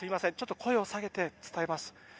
声を下げて伝えます。